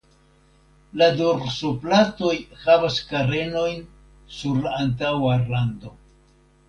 La dorsoplatoj havas karenojn sur la antaŭa rando.